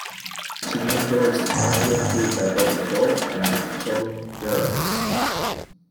To be endorsed, it must be approved by both adult and children jurors.